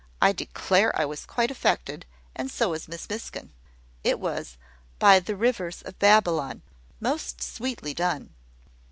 I declare I was quite affected, and so was Miss Miskin. It was `By the Rivers of Babylon,' most sweetly done!